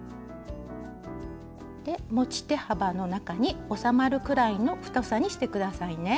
で持ち手幅の中に収まるくらいの太さにして下さいね。